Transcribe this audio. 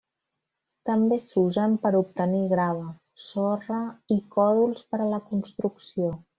També s'usen per obtenir grava, sorra i còdols per a la construcció.